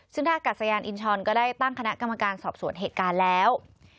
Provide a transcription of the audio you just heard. ซึ่งท่ากัดสยานอินชรก็ได้ตั้งคณะกรรมการสอบสวนเหตุการณ์แล้ว